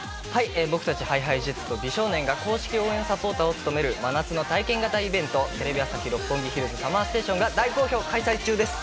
僕たちＨｉＨｉＪｅｔｓと美少年が公式応援サポーターを務める真夏の体験型イベントテレビ朝日・六本木ヒルズＳＵＭＭＥＲＳＴＡＴＩＯＮが大好評開催中です。